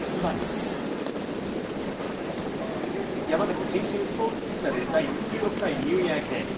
ヤマザキ新春スポーツスペシャル第６６回ニューイヤー駅伝。